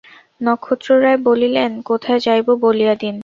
নক্ষত্ররায় বলিলেন, কোথায় যাইব বলিয়া দিন।